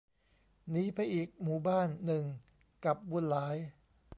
หนีไปอีกหมู่บ้านหนึ่งกับบุญหลาย